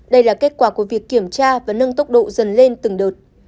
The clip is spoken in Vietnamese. đây là kết quả của việc kiểm tra và nâng tốc độ dần lên từng đợt